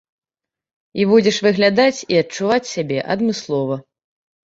І будзеш выглядаць і адчуваць сябе адмыслова.